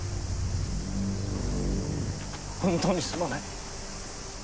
本当にすまない。